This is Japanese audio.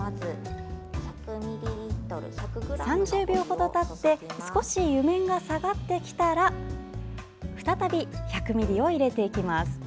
３０秒ほどたって少し湯面が下がってきたら再び１００ミリを入れていきます。